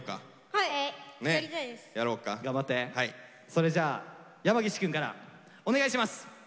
それじゃあ山岸くんからお願いします。